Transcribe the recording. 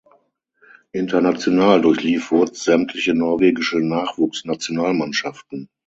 International durchlief Woods sämtliche norwegische Nachwuchsnationalmannschaften.